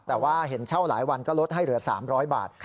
แต่ว่าเห็นเช่าหลายวันก็ลดให้เหลือ๓๐๐บาท